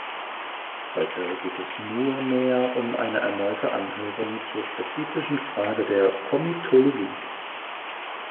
Heute geht es nur mehr um eine erneute Anhörung zur spezifischen Frage der Komitologie.